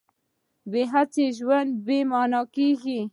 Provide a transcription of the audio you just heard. بې هڅې ژوند بې مانا کېږي.